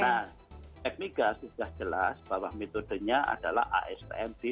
nah ekmigas sudah jelas bahwa metodenya adalah astm di tiga